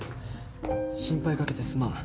心配かけてすまん。